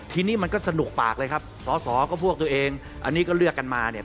ทีนี้มันก็สนุกปากเลยครับสอสอก็พวกตัวเองอันนี้ก็เลือกกันมาเนี่ย